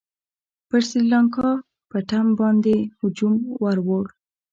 پر سرینګا پټم باندي هجوم ورووړ.